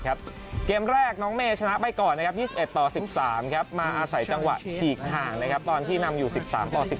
เกมแรกน้องเมย์ชนะไปก่อนนะครับ๒๑ต่อ๑๓มาอาศัยจังหวะฉีกห่างตอนที่นำอยู่๑๓ต่อ๑๓